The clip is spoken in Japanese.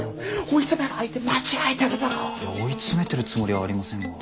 追い詰めてるつもりはありませんが。